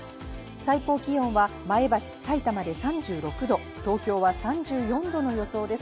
最高気温は前橋、埼玉で３６度、東京は３４度の予想です。